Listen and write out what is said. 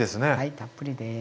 たっぷりです。